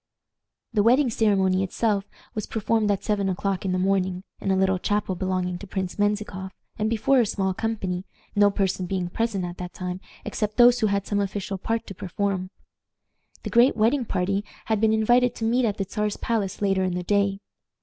The wedding ceremony itself was performed at seven o'clock in the morning, in a little chapel belonging to Prince Menzikoff, and before a small company, no person being present at that time except those who had some official part to perform. The great wedding party had been invited to meet at the Czar's palace later in the day.